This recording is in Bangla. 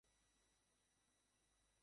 মনে হচ্ছে আমাদের চুক্তির কাজ শুরু হয়েছে, বব।